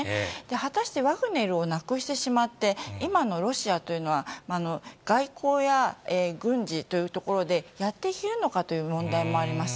果たしてワグネルをなくしてしまって、今のロシアというのは、外交や軍事というところでやっていけるのかという問題もあります。